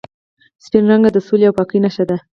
سپین رنګ د سولې او پاکۍ نښه ده.